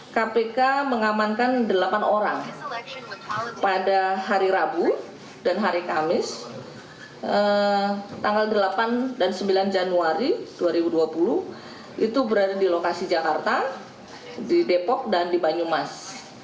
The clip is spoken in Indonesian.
kpk mengamankan delapan orang pada hari rabu dan hari kamis tanggal delapan dan sembilan januari dua ribu dua puluh itu berada di lokasi jakarta di depok dan di banyumas